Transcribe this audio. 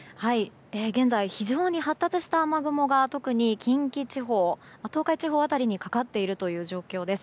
現在、非常に発達した雨雲が特に近畿地方、東海地方辺りにかかっている状況です。